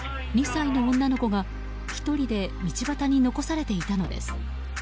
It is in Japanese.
２歳の女の子が１人で道端に残されていたのです。